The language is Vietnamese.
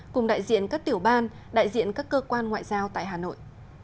cùng đại diện các tiểu ban đại diện các cơ quan ngoại giao tại hà nội